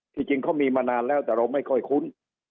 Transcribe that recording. จริงเขามีมานานแล้วแต่เราไม่ค่อยคุ้น